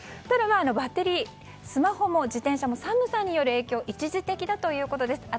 ただ、バッテリーはスマホも自転車も寒さによる影響は一時的だということです。